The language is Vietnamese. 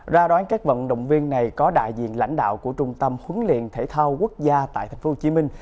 ra đoán các vận động viên này có đại diện lãnh đạo của trung tâm huấn luyện thể thao quốc gia tại tp hcm